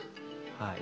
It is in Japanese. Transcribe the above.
はい。